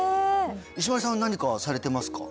石丸さんは何かされてますか？